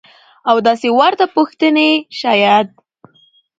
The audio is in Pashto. او داسې ورته پوښتنې شايد.